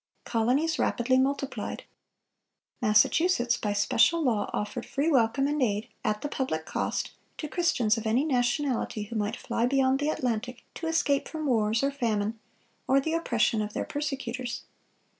Colonies rapidly multiplied. "Massachusetts, by special law, offered free welcome and aid, at the public cost, to Christians of any nationality who might fly beyond the Atlantic 'to escape from wars or famine, or the oppression of their persecutors.